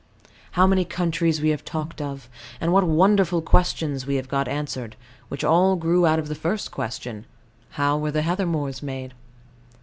How many countries we have talked of; and what wonderful questions we have got answered, which all grew out of the first question, How were the heather moors made?